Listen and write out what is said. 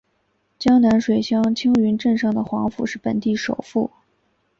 江南水乡青云镇上的黄府是本地首富。